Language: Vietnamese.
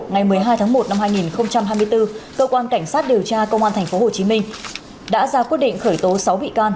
ngày một mươi hai tháng một năm hai nghìn hai mươi bốn cơ quan cảnh sát điều tra công an tp hcm đã ra quyết định khởi tố sáu bị can